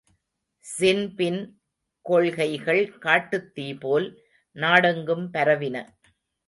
ஸின்பின் கொள்கைகள் காட்டுத் தீப்போல் நாடெங்கும் பரவின.